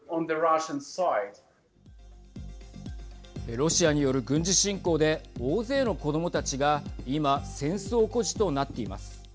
ロシアによる軍事侵攻で大勢の子どもたちが今戦争孤児となっています。